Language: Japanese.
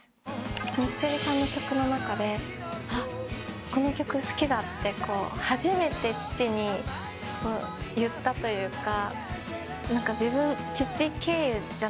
ミスチルさんの曲の中で「この曲好きだ」って初めて父に言ったというか。